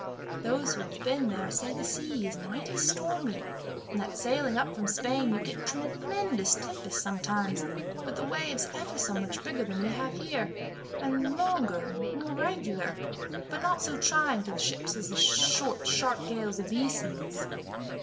Those who have been there say the sea is mighty stormy, and that, sailing up from Spain, you get tremendous tempests sometimes, with the waves ever so much bigger than we have here, and longer and more regular, but not so trying to the ships as the short sharp gales of these seas."